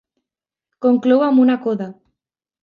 Conclou amb una coda.